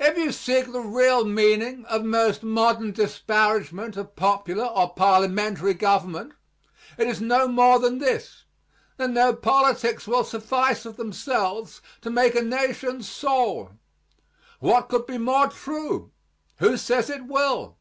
If you seek the real meaning of most modern disparagement of popular or parliamentary government, it is no more than this, that no politics will suffice of themselves to make a nation's soul. What could be more true? Who says it will?